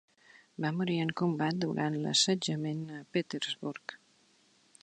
Va morir en combat durant l'assetjament de Petersburg.